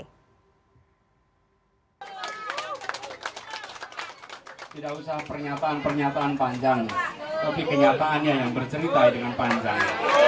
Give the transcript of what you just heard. tidak usah pernyataan pernyataan panjang tapi kenyataannya yang bercerita dengan panjang